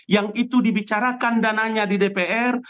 yang itu dibicarakan dananya di dpr